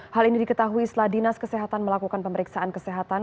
hal ini diketahui setelah dinas kesehatan melakukan pemeriksaan kesehatan